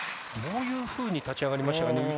どういうふうに立ち上がりましたかね。